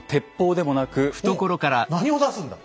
何を出すんだ？